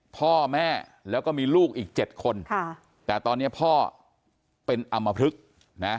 พ่อแม่แล้วก็มีลูกอีกเจ็ดคนค่ะแต่ตอนนี้พ่อเป็นอำมพลึกนะ